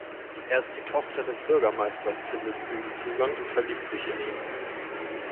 Erst die Tochter des Bürgermeisters findet zu ihm Zugang und verliebt sich in ihn.